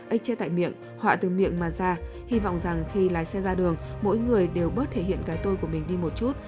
ếch tại miệng họa từ miệng mà ra hy vọng rằng khi lái xe ra đường mỗi người đều bớt thể hiện cái tôi của mình đi một chút